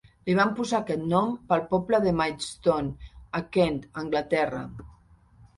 Li van posar aquest nom pel poble de Maidstone, a Kent, Anglaterra.